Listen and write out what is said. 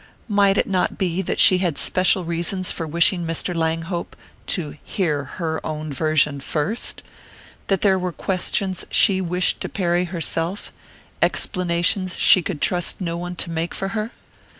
Might it not be that she had special reasons for wishing Mr. Langhope to hear her own version first that there were questions she wished to parry herself, explanations she could trust no one to make for her?